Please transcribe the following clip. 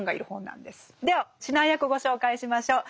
では指南役ご紹介しましょう。